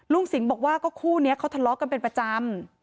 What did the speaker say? สิงห์บอกว่าก็คู่นี้เขาทะเลาะกันเป็นประจำ